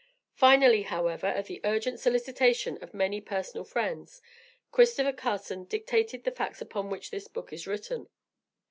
Finally, however, at the urgent solicitation of many personal friends, Christopher Carson dictated the facts upon which this book is written.